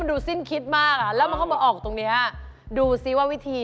ดูสิ้นคิดมากอ่ะแล้วมันเข้ามาออกตรงเนี้ยดูซิว่าวิธี